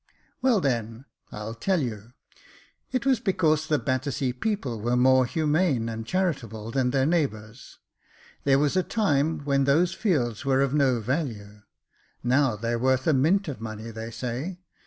Well, then, I'll tell you ; it was because the Battersea people were more humane and charitable than their neigh bours. There was a time when those fields were of no value ; now they're worth a mint of money, they say.